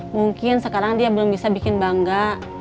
mungkin sekarang dia belum bisa bikin bangga